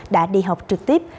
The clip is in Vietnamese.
đã đi học trực tiếp